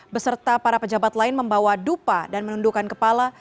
beserta para pejabat lain membawa dupa dan menundukan kepala